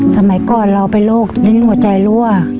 สมัยก่อนเราเป็นโรคลิ้นหัวใจรั่ว